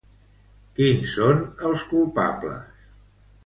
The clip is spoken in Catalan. Quins són els culpables?